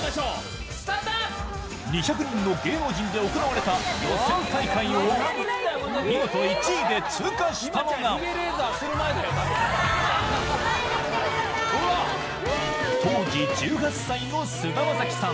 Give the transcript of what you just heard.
２００人の芸能人で行われた予選大会を見事１位で通過したのが当時、１８歳の菅田将暉さん。